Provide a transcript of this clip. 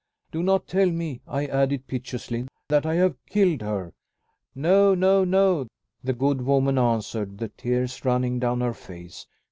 "Do not tell me," I added piteously, "that I have killed her." "No! no! no!" the good woman answered, the tears running down her face.